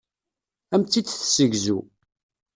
Ad am-tt-id-tessegzu.